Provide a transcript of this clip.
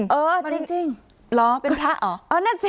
เป็นพระหรอ